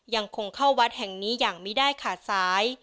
ยังคงเข้าวัดแห่งนี้อย่างไม่ได้ขาดสาย